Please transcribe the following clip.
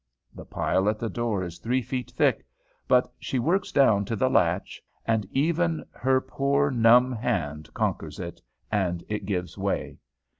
The pile at the door is three feet thick. But she works down to the latch, and even her poor numb hand conquers it, and it gives way.